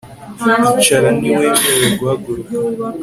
Icara Ntiwemerewe guhaguruka